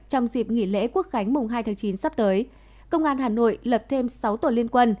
trong dịp nghỉ lễ quốc khánh mùng hai tháng chín sắp tới công an hà nội lập thêm sáu tổ liên quân